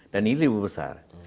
dan ini lebih besar